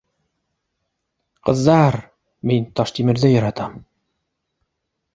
— Ҡыҙҙа-ар, мин Таштимерҙе яратам